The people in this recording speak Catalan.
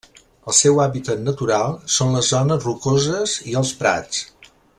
El seu hàbitat natural són les zones rocoses i els prats.